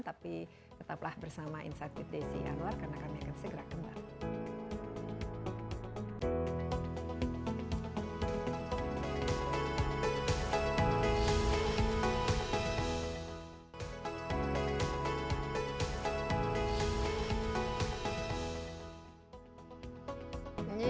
tapi tetaplah bersama insight with desi alwar karena kami akan segera kembali